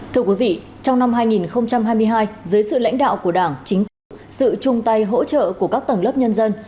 thưa quý vị trong năm hai nghìn hai mươi hai dưới sự lãnh đạo của đảng chính phủ sự chung tay hỗ trợ của các tầng lớp nhân dân